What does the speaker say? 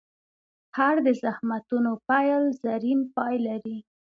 هر د زخمتونو پیل، زرین پای لري.